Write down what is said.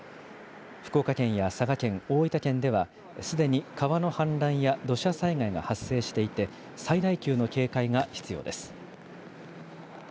福岡県や佐賀県、大分県では、すでに川の氾濫や土砂災害が発生していて、最大級の警戒が必要です。